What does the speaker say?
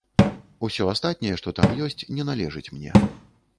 Усё астатняе, што там ёсць, не належыць мне.